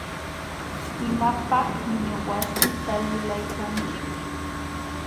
¿imapaqmi wasita lulaykanchik?